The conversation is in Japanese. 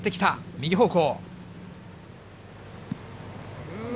右方向。